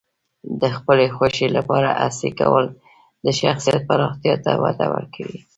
د خپلې خوښې لپاره هڅې کول د شخصیت پراختیا ته وده ورکوي.